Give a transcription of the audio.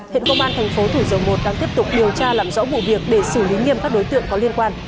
hiện công an thành phố thủ dầu một đang tiếp tục điều tra làm rõ vụ việc để xử lý nghiêm các đối tượng có liên quan